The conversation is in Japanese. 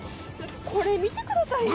これ見てくださいよ。